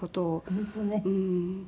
本当ね。